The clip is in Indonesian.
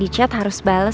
di chat harus bales ya